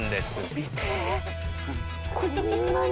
見て。